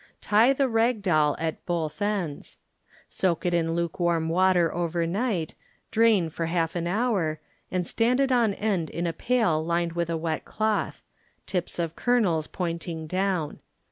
Tie the "rag doll" at both ends. Soak it in lukewarm water over night, drain for half an hour, and stand it on end in a pail lined with a wet cloth ŌĆö tips of kernels pointing down.